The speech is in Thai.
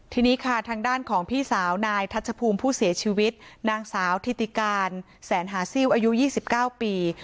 ทีนี้ค่ะทางด้านของพี่สาวนายทัชภูมิผู้เสียชีวิตนางสาวทิติการแสนหาซิลอายุ๒๙ปี